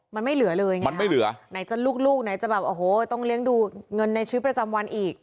มันไม่เหลือเลยไงมันไม่เหลือไหนจะลูกลูกไหนจะแบบโอ้โหต้องเลี้ยงดูเงินในชีวิตประจำวันอีก